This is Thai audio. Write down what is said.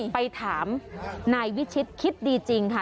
ไปถามนายวิชิตคิดดีจริงค่ะ